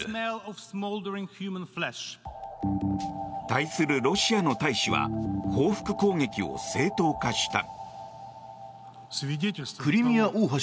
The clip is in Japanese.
対するロシアの大使は報復攻撃を正当化した。